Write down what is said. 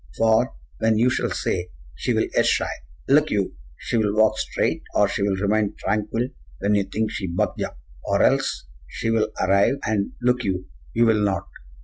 For when you shall say, 'She will ess shy,' look you, she will walk straight; or she will remain tranquil when you think she buck jump; or else she will arrive and, look you, you will not.